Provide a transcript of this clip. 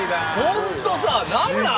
ホントさ何なん？